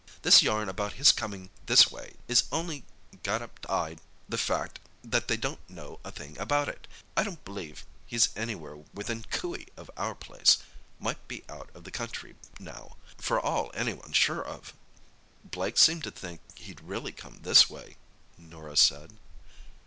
This yarn about his comin' this way is on'y got up to 'ide the fact that they don't know a thing about it. I don't b'lieve he's anywhere within coo ee of our place. Might be out of the country now, for all anyone's sure of." "Blake seemed to think he'd really come this way;" Norah said.